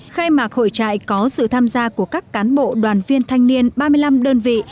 khai mạc hội trại có sự tham gia của các cán bộ đoàn viên thanh niên ba mươi năm đơn vị